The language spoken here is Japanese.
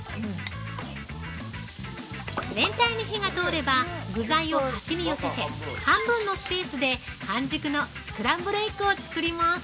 ◆全体に火が通れば具材を端に寄せて、半分のスペースで半熟のスクランブルエッグを作ります。